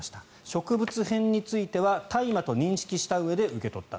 植物片については大麻と認識したうえで受け取った。